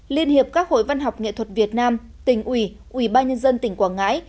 liên hiệp các hội văn học nghệ thuật việt nam tỉnh ủy ủy ba nhân dân tỉnh quảng ngãi